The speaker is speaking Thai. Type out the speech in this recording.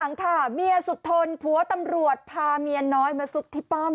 หลังค่ะเมียสุดทนผัวตำรวจพาเมียน้อยมาซุกที่ป้อม